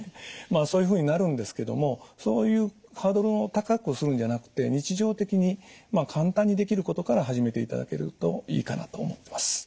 そういうふうになるんですけどもそういうハードルを高くするんじゃなくて日常的に簡単にできることから始めていただけるといいかなと思ってます。